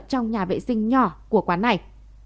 trong nhà vệ sinh nhỏ của quán này